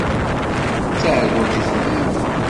D taɛeggunt i telliḍ?